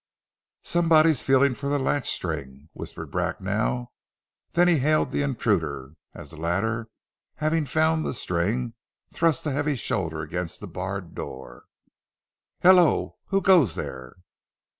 "Somebody feeling for the latch string," whispered Bracknell, then he hailed the intruder, as the latter having found the string thrust a heavy shoulder against the barred door. "Hallo! Who goes there?"